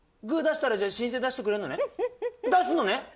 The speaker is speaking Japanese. グー出したらじゃあ申請出してくれるのね？